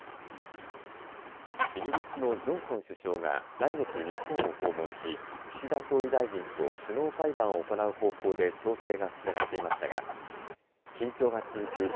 イギリスのジョンソン首相が来月日本を訪問し岸田総理大臣と首脳会談を行う方向で調整が進められていましたが緊張が続く